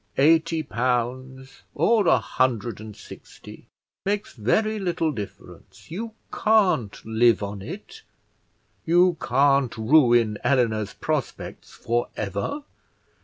Eighty pounds or a hundred and sixty makes very little difference. You can't live on it, you can't ruin Eleanor's prospects for ever.